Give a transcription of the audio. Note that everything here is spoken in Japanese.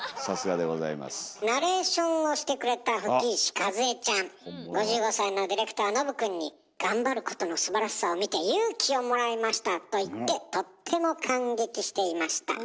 ナレーションをしてくれた吹石一恵ちゃん５５歳のディレクターのぶ君に頑張ることのすばらしさを見て勇気をもらいましたと言ってとっても感激していました。